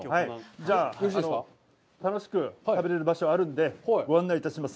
じゃあ、楽しく食べれる場所があるのでご案内いたします。